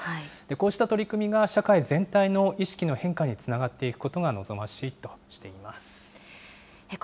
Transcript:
こうした取り組みが社会全体の意識の変化につながっていくことが望ましいとしています。